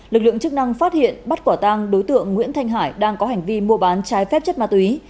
lực lượng chức năng phát hiện bắt quả tang đối tượng nguyễn thanh hải đang có hành vi mua bán trái phép chất ma túy